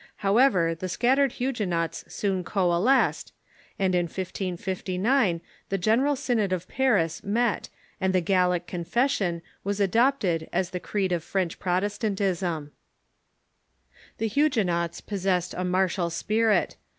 How 26 i THE EEFORMATION ever, the scattered Huguenots soon coalesced, and in 1559 the General Synod of Paris met, and the Gallic Confession was adopted as the creed of French Protestantism. The Huguenots possessed a martial si)irit.